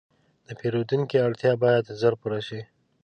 د پیرودونکي اړتیا باید ژر پوره شي.